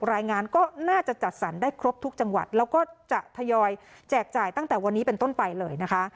รายงานก็น่าจะจัดสรรได้ครบทุกจังหวัดแล้วก็จะทยอยแจกจ่ายตั้งแต่วันนี้เป็นต้นไปเลยนะคะ